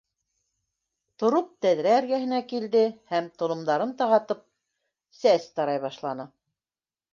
Тороп тәҙрә эргәһенә килде һәм толомдарын тағатып, сәс тарай башланы.